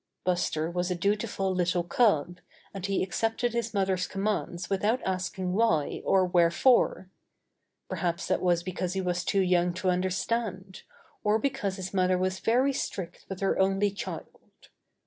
Buster was a dutiful little cub, and he ac cepted his mother's commands without asking why or wherefore. Perhaps that was because he was too young to understand, or because his mother was very strict with her only child.